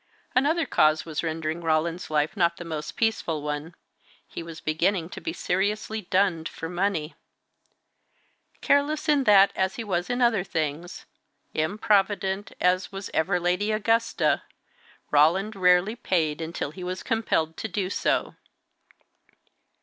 Another cause was rendering Roland's life not the most peaceful one. He was beginning to be seriously dunned for money. Careless in that, as he was in other things, improvident as was ever Lady Augusta, Roland rarely paid until he was compelled to do so.